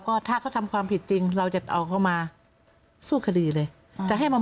ขอบคุณครับครับ